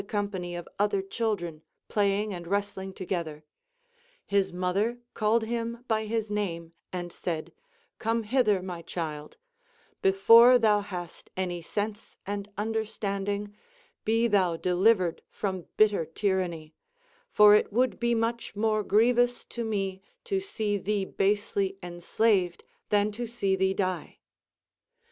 361 company of other children playing and wrestling together, his mother called him by his name, and said : Come hither, my child ; before thou hast any sense and understanding, be thou delivered from bitter tyranny ; for it would be much more grievous to me to see thee basely enslaved than to see thee die.